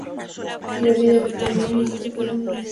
Pirámide: Optimista, positivismo, entusiasmo.